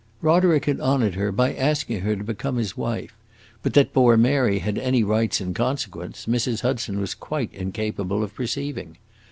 Roderick had honored her by asking her to become his wife, but that poor Mary had any rights in consequence Mrs. Hudson was quite incapable of perceiving.